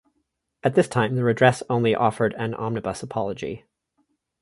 At this time, the redress only offered an omnibus apology.